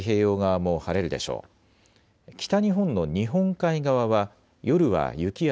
北日本の太平洋側も晴れるでしょう。